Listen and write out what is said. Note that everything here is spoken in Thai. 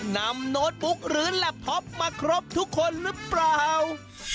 โน้ตบุ๊กหรือแล็บท็อปมาครบทุกคนหรือเปล่า